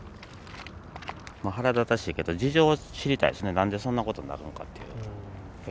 腹立たしいけど、事情を知りたいですね、なんでそんなことになるのかっていう。